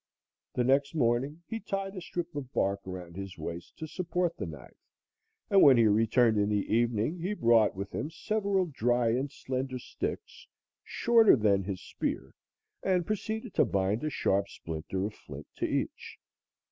The next morning he tied a strip of bark around his waist to support the knife, and when he returned in the evening he brought with him several dry and slender sticks shorter than his spear and proceeded to bind a sharp splinter of flint to each.